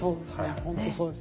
本当そうです。